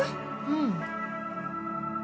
うん。